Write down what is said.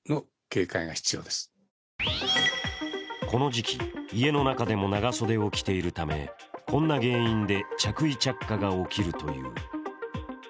この時期、家の中でも長袖を着ているためこんな原因で着衣着火が起きるという。